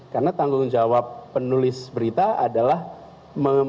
karena tanggung jawab penulis berita adalah menunjukkan